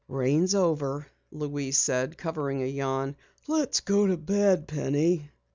"Rain's over," Louise said, covering a yawn. "Let's go to bed, Penny."